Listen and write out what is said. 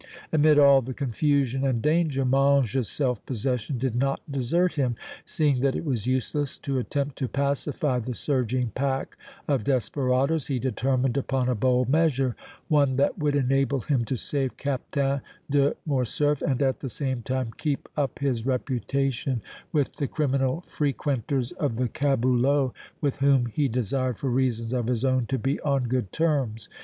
Amid all the confusion and danger Mange's self possession did not desert him. Seeing that it was useless to attempt to pacify the surging pack of desperadoes, he determined upon a bold measure, one that would enable him to save Captain de Morcerf and, at the same time, keep up his reputation with the criminal frequenters of the caboulot, with whom he desired for reasons of his own to be on good terms.